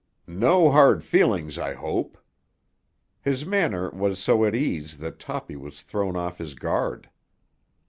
"No hard feelings, I hope." His manner was so at ease that Toppy was thrown off his guard.